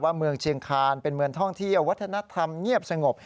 เมืองเชียงคานเป็นเมืองท่องเที่ยววัฒนธรรมเงียบสงบ